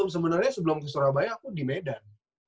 sebenarnya sebelum ke surabaya aku di medan